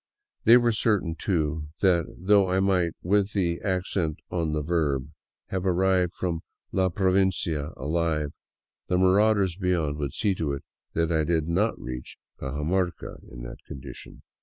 They were certain, too, that, though I might — with the accent on the verb — have arrived from " La Provincia " alive, the marauders beyond would see to it that I did not reach Cajamarca in that condition.